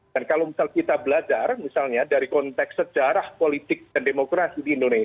kalau misal kita belajar misalnya dari konteks sejarah politik dan demokrasi di indonesia